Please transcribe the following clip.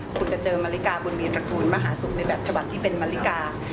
คุณจะเจอมาริกาบนมีตระกูลมหาศุกร์ในแบบฉบับที่เป็นมาริกา